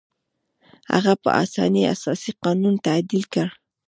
هغه په اسانۍ اساسي قانون تعدیل کړ.